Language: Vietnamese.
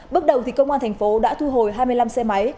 bước đầu công an tp đã thu hồi hai mươi năm xe máy